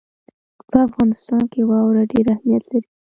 په افغانستان کې واوره ډېر اهمیت لري.